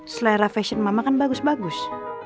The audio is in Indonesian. selera fashion mama kan bagus bagus